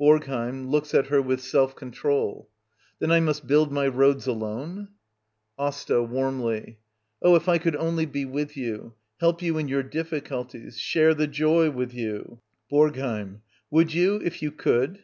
^BoRGHEiM. [Looks at her with self control.] vTnen I must build my roads alone? Asta. [Warmly.] Oh, if I could only be with v^you! Help you in your difficulties — share the joy with you —^/^ BoRGHEiM. Would you — if you could